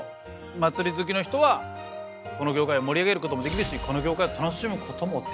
祭り好きの人はこの業界を盛り上げることもできるしこの業界を楽しむこともできる。